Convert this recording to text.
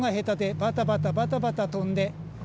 バタバタバタバタ飛んで。